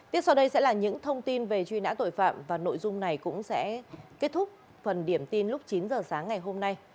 tiếp sau đây sẽ là những thông tin về truy nã tội phạm và nội dung này cũng sẽ kết thúc phần điểm tin lúc chín h sáng ngày hôm nay